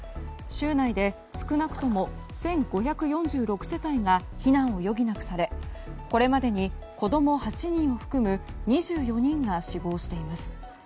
州内で少なくとも１５４６世帯が避難を余儀なくされこれまでに子供８人を含む２４人が死亡しています。